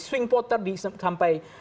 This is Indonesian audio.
swing potter sampai